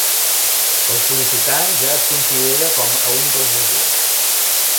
El sol·licitant ja es considera com a un dels agents.